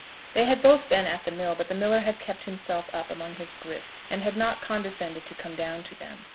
They had both been at the mill, but the miller had kept himself up among his grist, and had not condescended to come down to them.